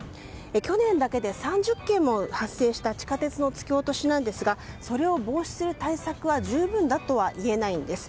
去年だけで３０件も発生した地下鉄の突き落としですがそれを防止する対策は十分だとは言えないんです。